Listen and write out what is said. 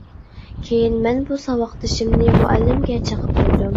كېيىن مەن بۇ ساۋاقدىشىمنى مۇئەللىمگە چېقىپ قويدۇم.